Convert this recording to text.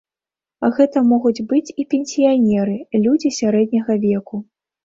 Гэта могуць быць і пенсіянеры, людзі сярэдняга веку.